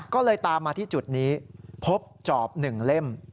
ก็เลยตามมาที่จุดนี้พบจอบ๑เล่ม